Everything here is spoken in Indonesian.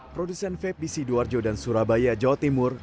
produksen veb di sidoarjo dan surabaya jawa timur